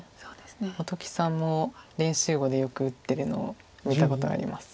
本木さんも練習碁でよく打ってるのを見たことあります。